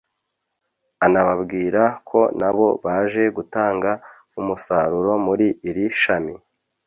anababwira ko nabo baje gutanga umusaruro muri iri shami